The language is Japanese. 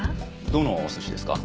どのお寿司ですか？